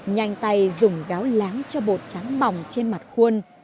nhanh tay dùng gáo láng cho bột trắng bỏng trên mặt khuôn